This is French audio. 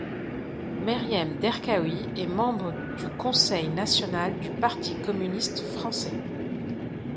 Mériem Derkaoui est membre du conseil national du Parti communiste français.